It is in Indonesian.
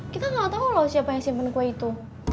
kita gak tau loh siapa yang simpen kue itu